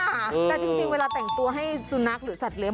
แต่จริงเวลาแต่งตัวให้สุนัขหรือสัตว์เลี้